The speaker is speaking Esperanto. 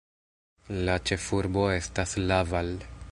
La ĉefurbo estas Laval.